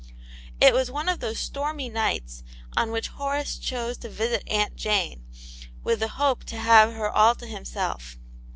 It was one of those stormy nights on which Horace chose to visit Aunt Jane, with the hope to have her 86 Aunt Janets Hero, all to himself.